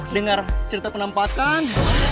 dengar cerita penampakan